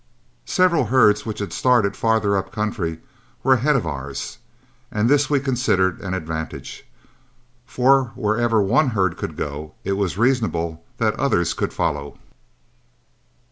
Several herds which had started farther up country were ahead of ours, and this we considered an advantage, for wherever one herd could go, it was reasonable that others could follow.